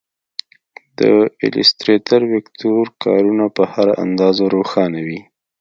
د ایلیسټریټر ویکتور کارونه په هر اندازه روښانه وي.